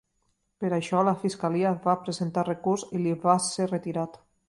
Per això, la fiscalia va presentar recurs i li va ser retirat.